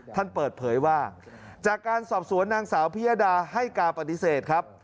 ท่านเปิดเผยว่าจากการสอบสวนนางสาวพิยดาให้การปฏิเสธครับ